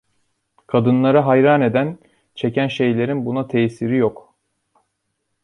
Kadınları hayran eden, çeken şeylerin buna tesiri yok.